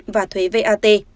và thuế vat